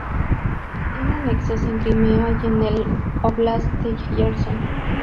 Tiene anexos en Crimea y en el óblast de Jersón.